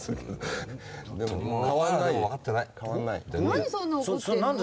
何そんな怒ってんの？